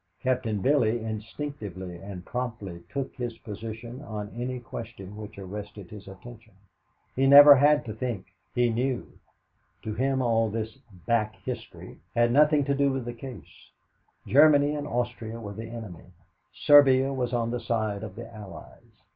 Captain Billy instinctively and promptly took his position on any question which arrested his attention. He never had to think he knew. To him all this "back history" had nothing to do with the case. Germany and Austria were the enemy. Serbia was on the side of the Allies.